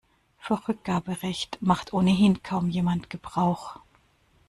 Vom Rückgaberecht macht ohnehin kaum jemand Gebrauch.